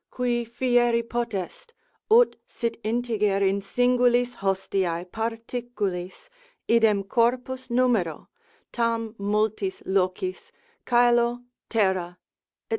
Qui fieri potest, ut sit integer in singulis hostiae particulis, idem corpus numero, tam multis locis, caelo, terra, &c.